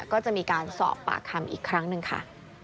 ก็จะมีการสอบปากคำอีกครั้งหนึ่งค่ะ